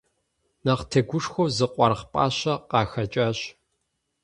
Нэхъ тегушхуэу зы къуаргъ пӀащэ къахэкӀащ.